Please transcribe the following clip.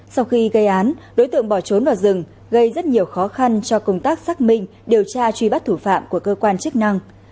sau khi gây án đối tượng bỏ trốn vào rừng gây rất nhiều khó khăn cho công tác xác minh điều tra truy bắt thủ phạm của cơ quan chức năng